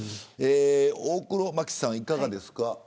大黒摩季さん、いかがですか。